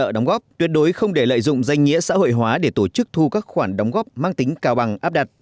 đối không để lợi dụng danh nghĩa xã hội hóa để tổ chức thu các khoản đóng góp mang tính cao bằng áp đặt